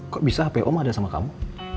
kok bisa hp om ada sama kamu